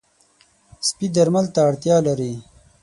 سپي درمل ته اړتیا لري.